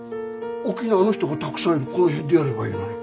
沖縄の人がたくさんいるこの辺でやればいいのに。